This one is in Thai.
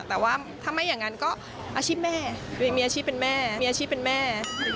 แต่ว่าถ้าไม่อย่างนั้นก็อาชีพแม่ตัวเองมีอาชีพเป็นแม่มีอาชีพเป็นแม่